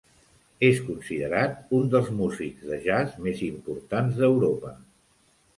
És considerat un dels músics de jazz més importants d'Europa.